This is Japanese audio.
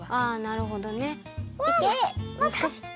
あなるほどね。